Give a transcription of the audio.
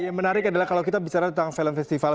yang menarik adalah kalau kita bicara tentang film festival